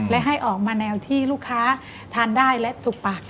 และให้ออกมาแนวที่ลูกค้าทานได้และจุกปาก